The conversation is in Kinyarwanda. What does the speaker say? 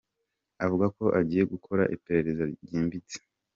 Avuga ko agiye gukora iperereza ryimbitse.